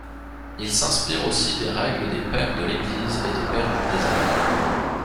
Ils s'inspirent aussi des règles des Pères de l'Église et des Pères du désert.